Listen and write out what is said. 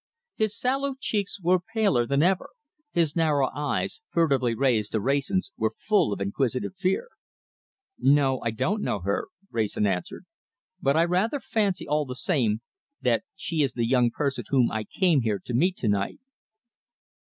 His sallow cheeks were paler than ever. His narrow eyes, furtively raised to Wrayson's, were full of inquisitive fear. "No! I don't know her," Wrayson answered, "but I rather fancy, all the same, that she is the young person whom I came here to meet to night."